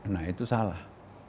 nah itu salah